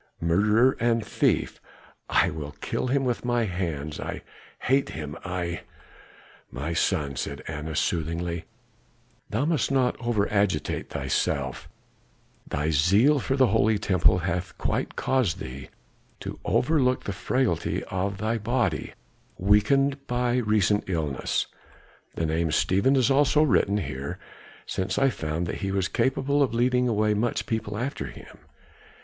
Murderer and thief! I will kill him with my hands I hate him I " "My son," said Annas soothingly, "thou must not over agitate thyself; thy zeal for the holy temple hath quite caused thee to overlook the frailty of thy body, weakened by recent illness. The name Stephen is also written here, since I found that he was capable of leading away much people after him.